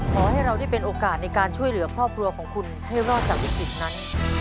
ขอให้เราได้เป็นโอกาสในการช่วยเหลือครอบครัวของคุณให้รอดจากวิกฤตนั้น